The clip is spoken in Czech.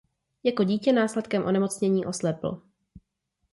Jako dítě následkem onemocnění oslepl.